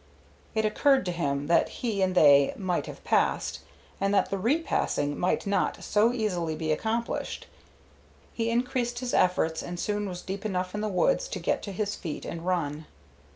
It occurred to him that he and they might have passed, and that the repassing might not so easily be accomplished. He increased his efforts and soon was deep enough in the woods to get to his feet and run.